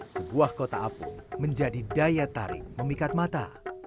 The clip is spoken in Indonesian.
sebuah kota apung menjadi daya tarik memikat mata